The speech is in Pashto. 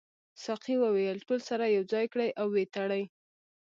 ساقي وویل ټول سره یو ځای کړئ او وتړئ.